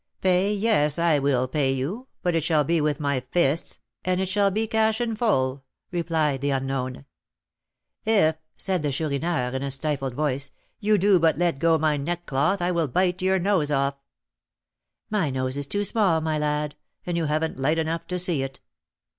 "Pay! yes, I will pay you, but it shall be with my fists; and it shall be cash in full," replied the unknown. "If," said the Chourineur, in a stifled voice, "you do but let go my neckcloth, I will bite your nose off." "My nose is too small, my lad, and you haven't light enough to see it."